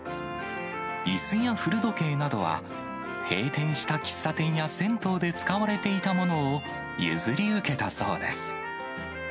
いすや古時計などは、閉店した喫茶店や銭湯で使われていたものを、譲り受けたそうです。